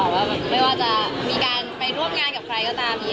ว่าไม่ว่าจะมีการไปร่วมงานกับใครก็ตาม